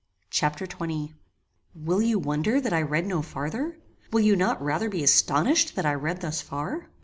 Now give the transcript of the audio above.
'" Chapter XX Will you wonder that I read no farther? Will you not rather be astonished that I read thus far?